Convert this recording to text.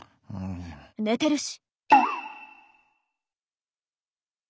寝てるし。